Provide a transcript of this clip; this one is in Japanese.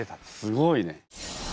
すごいね。